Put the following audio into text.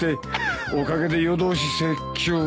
おかげで夜通し説教だよ。